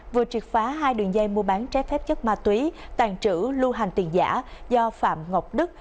vừa triệt phá hai đường dây mua bán trái phép chất ma túy tàn trữ lưu hành tiền giả do phạm ngọc đức